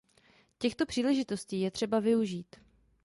Těchto příležitostí je třeba využít!